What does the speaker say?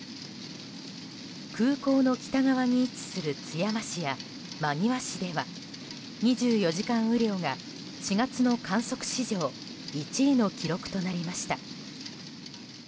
空港の北側に位置する津山市や真庭市では２４時間雨量が４月の観測史上１位の記録となりました。